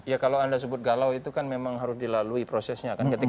ya kalau anda sebut galau itu kan memang harus dilalui prosesnya kan